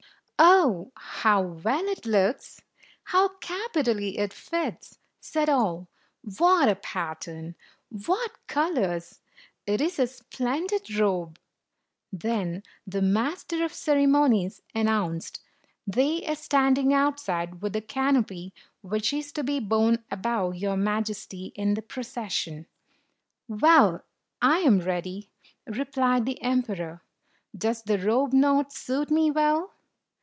"Oh, how well it looks! How capitally it fits!" said all. " What a pattern ! What colors! It is a splendid robe!" Then the master of ceremonies announced, "They are standing outside with the canopy which is to be borne above your Majesty in the procession." "Well, I am ready*" replied the emperor. "Does the robe not suit me well?"